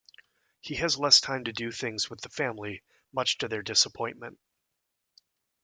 He has less time to do things with the family, much to their disappointment.